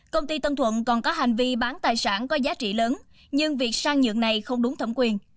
công ty tân thuận còn có hành vi bán tài sản có giá trị lớn nhưng việc sang nhượng này không đúng thẩm quyền